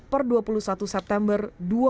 per dua puluh satu september